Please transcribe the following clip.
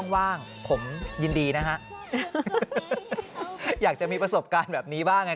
ว่างผมยินดีนะฮะอยากจะมีประสบการณ์แบบนี้บ้างไง